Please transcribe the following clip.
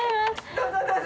どうぞどうぞ。